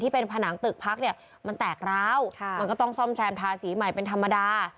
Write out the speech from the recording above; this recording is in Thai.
เป็นผนังตึกพักเนี่ยมันแตกร้าวมันก็ต้องซ่อมแซมทาสีใหม่เป็นธรรมดา